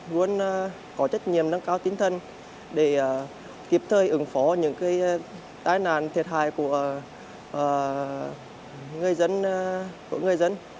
luôn có trách nhiệm nâng cao tinh thần để kịp thời ứng phó những cái tai nạn thiệt hại của người dân